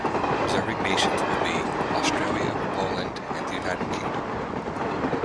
Observing nations will be: Australia, Poland, and the United Kingdom.